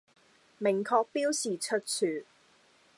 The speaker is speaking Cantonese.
明確標示出處